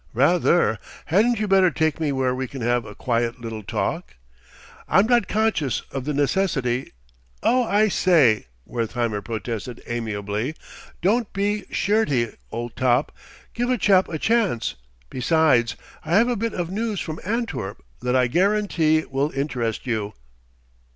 "Rather. Hadn't you better take me where we can have a quiet little talk?" "I'm not conscious of the necessity " "Oh, I say!" Wertheimer protested amiably "don't be shirty, old top. Give a chap a chance. Besides, I have a bit of news from Antwerp that I guarantee will interest you."